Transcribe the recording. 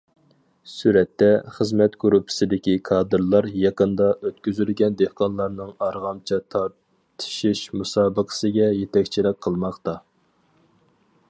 سۈرەتتە: خىزمەت گۇرۇپپىسىدىكى كادىرلار يېقىندا ئۆتكۈزۈلگەن دېھقانلارنىڭ ئارغامچا تارتىشىش مۇسابىقىسىگە يېتەكچىلىك قىلماقتا.